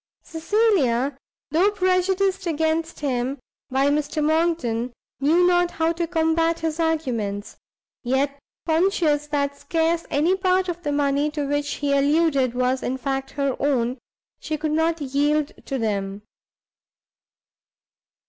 Cecilia, though prejudiced against him by Mr Monckton, knew not how to combat his arguments; yet conscious that scarce any part of the money to which he alluded was in fact her own, she could not yield to them.